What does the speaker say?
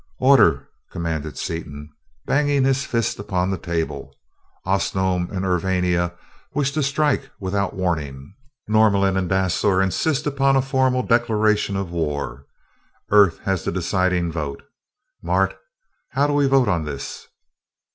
"Order!" commanded Seaton, banging his fist upon the table. "Osnome and Urvania wish to strike without warning, Norlamin and Dasor insist upon a formal declaration of war. Earth has the deciding vote. Mart, how do we vote on this?"